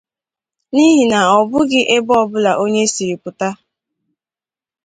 n'ihi na ọ bụghị ebe ọbụla onye siri pụta